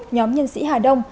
nhóm nhân sĩ hà đông